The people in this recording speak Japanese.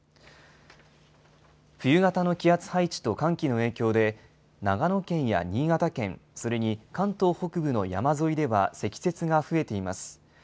冬型の気圧配置と寒気の影響で、長野県や新潟県、それに関東北部の山沿いでは積雪が増えています。